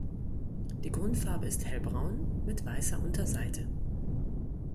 Die Grundfarbe ist hellbraun mit weißer Unterseite.